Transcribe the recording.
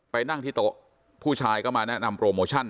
นั่งที่โต๊ะผู้ชายก็มาแนะนำโปรโมชั่น